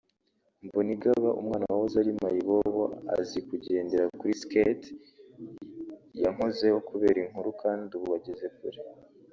Mbonigaba umwana wahoze ari (mayibobo) azikugendera kuri skates yankozeho kubera inkuru kandi ubu ageze kure